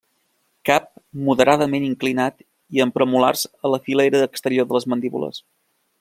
Cap moderadament inclinat i amb premolars a la filera exterior de les mandíbules.